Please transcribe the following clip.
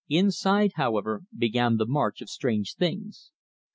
Inside, however, began the march of strange things.